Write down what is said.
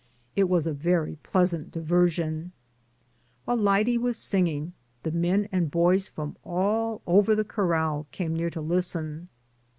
It was a very pleasant diversion. While Lyde was singing, the men and boys from all over the corral came near to listen.